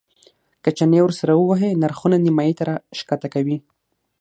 که چنې ورسره ووهې نرخونه نیمایي ته راښکته کوي.